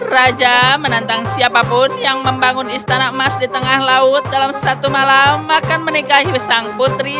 raja menantang siapapun yang membangun istana emas di tengah laut dalam satu malam akan menikahi sang putri